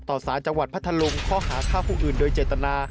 สารจังหวัดพัทธลุงข้อหาฆ่าผู้อื่นโดยเจตนา